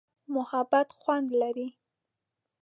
محبت خوند لري.